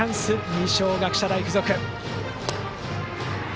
二松学舎大付属。